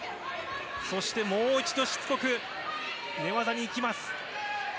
もう一度、しつこく寝技にいきます。